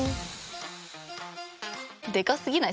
でかすぎない？